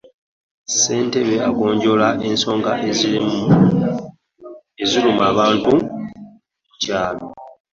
Ssentebe agonjoola ensonga eziruma abantu mu kyalo.